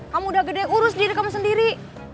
kamu udah gede urus diri kamu sendiri